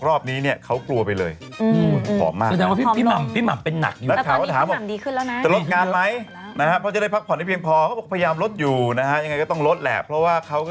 รถแค่เมื่อกี้ที่เขาโทรไป